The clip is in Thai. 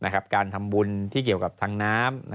การทำบุญที่เกี่ยวกับทางน้ำ